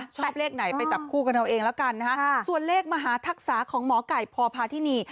ชอบเลขไหนไปจับคู่กันเอาเองแล้วกันนะฮะส่วนเลขมหาทักษะของหมอไก่พพาธินี